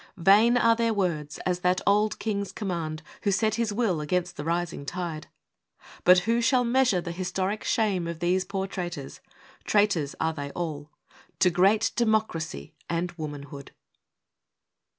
Vain are their words as that old king's command Who set his will against the rising tide. But who shall measure the historic shame Of these poor traitors traitors are they all To great Democracy and Womanhood!